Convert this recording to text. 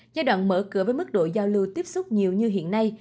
giai đoạn mở cửa với mức độ giao lưu tiếp xúc nhiều như hiện nay